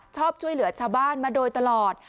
ชอบช่วยเหลือชาวบ้านมาโดยตลอด